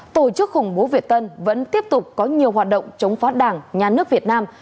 tổ chức khủng bố việt tân vẫn tiếp tục có nhiều hoạt động chống phá đảng nhà nước việt nam